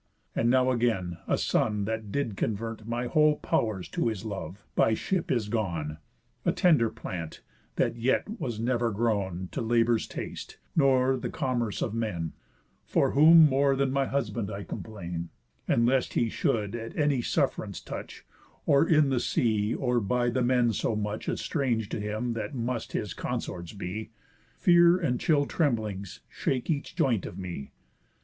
And now again, a son, that did convert My whole pow'rs to his love, by ship is gone; A tender plant, that yet was never grown To labour's taste, nor the commerce of men; For whom more than my husband I complain, And lest he should at any suff'rance touch (Or in the sea, or by the men so much Estrang'd to him that must his consorts be) Fear and chill tremblings shake each joint of me.